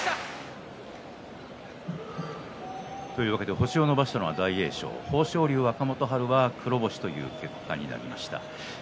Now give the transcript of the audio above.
星を伸ばしたのは大栄翔豊昇龍、若元春は黒星という結果になりました。